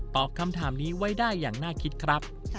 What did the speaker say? คำถามนี้ไว้ได้อย่างน่าคิดครับ